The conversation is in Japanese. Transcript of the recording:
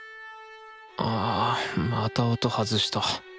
あまた音外した！